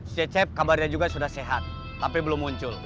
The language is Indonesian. cecep kabarnya juga sudah sehat tapi belum muncul